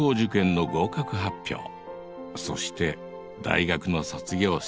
そして大学の卒業式。